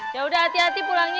ya udah hati hati pulangnya